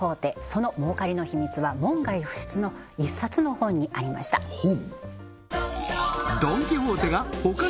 その儲かりの秘密は門外不出の一冊の本にありました本？